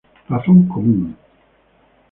Razón común.